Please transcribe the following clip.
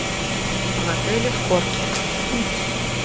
В отеле в Корке.